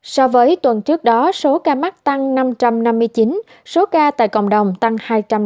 so với tuần trước đó số ca mắc tăng năm trăm năm mươi chín số ca tại cộng đồng tăng hai trăm linh ba